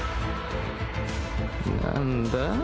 何だ？